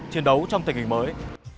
chiến đấu trong tình hình mới